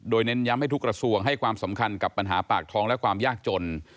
โดยเน้นย้ำให้ทุกกระทรวงให้ความสำคัญกับปัญหาปากท้องและความยากจน